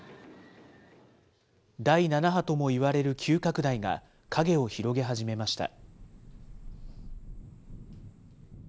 第７波ともいわれる急拡大が、影を広げ始めました。